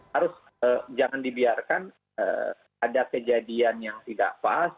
harus jangan dibiarkan ada kejadian yang tidak pas